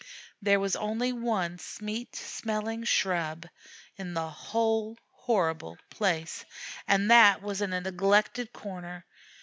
There was only one sweet smelling shrub in the whole horrible place, and that was in a neglected corner.